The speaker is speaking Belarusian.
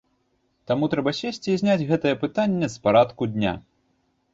Таму трэба сесці і зняць гэтае пытанне з парадку дня.